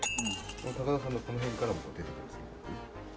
高田さんのこの辺からも出てきますね。